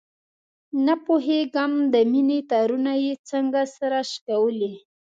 نه پوهېږم د مینې تارونه یې څنګه سره شکولي.